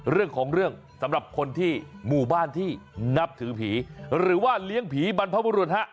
เรื่องของเรื่องสำหรับคนที่หมู่บ้านที่นับถือผีหรือว่าเลี้ยงผีบรรพบุรุษฮะ